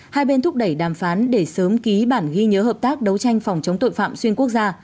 hai bên thúc đẩy đàm phán để sớm ký bản ghi nhớ hợp tác đấu tranh phòng chống tội phạm xuyên quốc gia